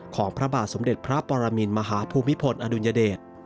ของพระบาทสมเด็จพระปรมินมหาภูมิพลอดุลยเดช